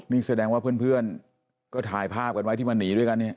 นี่แสดงว่าเพื่อนก็ถ่ายภาพกันไว้ที่มาหนีด้วยกันเนี่ย